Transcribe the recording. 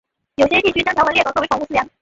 有些地区将条纹鬣狗作为宠物饲养。